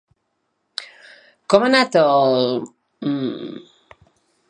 Com ha anat el...?